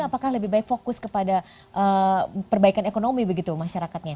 apakah lebih baik fokus kepada perbaikan ekonomi begitu masyarakatnya